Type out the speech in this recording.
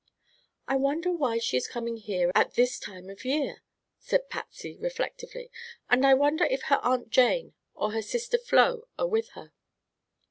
"I wonder why she is coming here at this time of year," said Patsy reflectively, "and I wonder if her Aunt Jane or her sister Flo are with her."